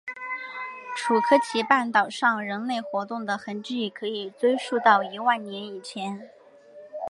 楚科奇半岛上人类活动的痕迹可以追溯到一万年以前。